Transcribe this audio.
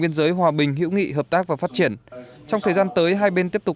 biên giới hòa bình hữu nghị hợp tác và phát triển trong thời gian tới hai bên tiếp tục